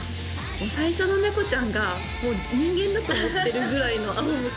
最初の猫ちゃんが人間だと思ってるぐらいのあおむけ